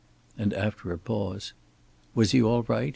And after a pause: "Was he all right?